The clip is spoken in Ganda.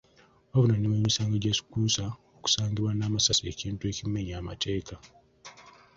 Bavunaanibwa emisango egyekuusa ku kusangibwa n'amasasi ekintu ekimenya amateeka.